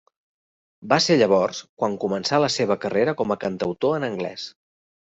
Va ser llavors quan començà la seva carrera com a cantautor en anglès.